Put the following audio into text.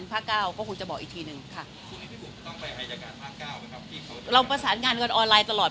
ต้องไปอัยการภาคเก้าเหรอครับที่เขาเราประสานงานกันออนไลน์ตลอด